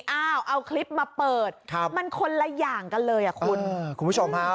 อ้าวเอาคลิปมาเปิดมันคนละอย่างกันเลยอ่ะคุณผู้ชมฮะ